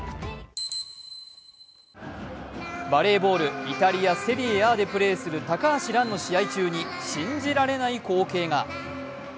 バレーボールイタリアセリエＡでプレーする高橋藍の試合中に信じられない光景が。